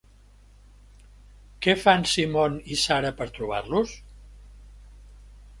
Què fan Simon i Sarah per trobar-los?